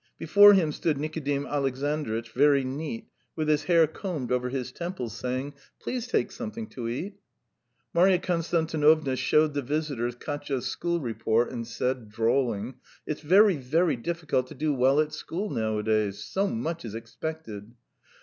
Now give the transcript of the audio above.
Before him stood Nikodim Alexandritch, very neat, with his hair combed over his temples, saying: "Please take something to eat. ..." Marya Konstantinovna showed the visitors Katya's school report and said, drawling: "It's very, very difficult to do well at school nowadays! So much is expected